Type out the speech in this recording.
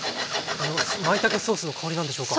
まいたけソースの香りなんでしょうか。